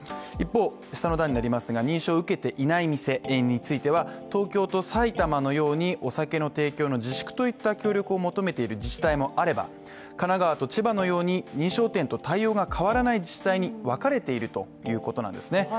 一方、認証を受けていない店については、東京と埼玉のようにお酒の提供の自粛といった要請を求めている自治体もあれば、神奈川と千葉のように認証店と対応が変わらない自治体と分かれているそうなんですね。